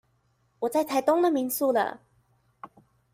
我在台東的民宿了